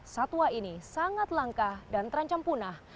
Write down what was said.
satwa ini sangat langka dan terancam punah